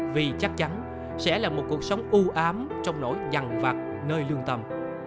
vì chắc chắn sẽ là một cuộc sống ưu ám trong nỗi dằn vật nơi lương tâm